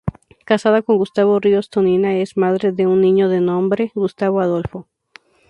Casada con Gustavo Ríos Tonina, es madre de un niño de nombre Gustavo Adolfo.